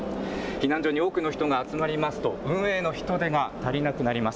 避難所に多くの人が集まりますと、運営の人手が足りなくなります。